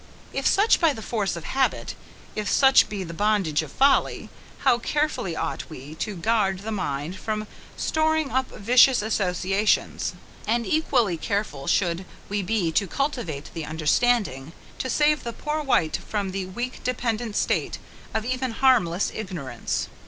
If such be the force of habit; if such be the bondage of folly, how carefully ought we to guard the mind from storing up vicious associations; and equally careful should we be to cultivate the understanding, to save the poor wight from the weak dependent state of even harmless ignorance.